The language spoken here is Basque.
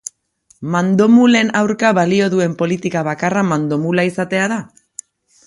Mandomulen aurka balio duen politika bakarra mandomula izatea da?